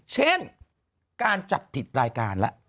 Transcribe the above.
เช่นการจับผิดรายการแล้ว